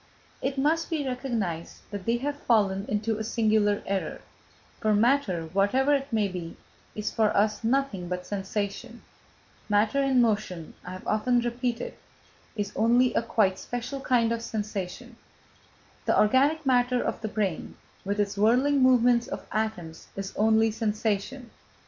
It must be recognised that they have fallen into a singular error; for matter, whatever it may be, is for us nothing but sensation; matter in motion, I have often repeated, is only a quite special kind of sensation; the organic matter of the brain, with its whirling movements of atoms, is only sensation.